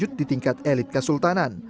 kerajaan ini diangkat oleh elit kasultanan